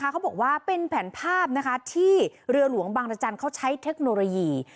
เขาบอกว่าเป็นแผนภาพที่เรือหลวงบางรจันทร์เขาใช้เทคโนโลยี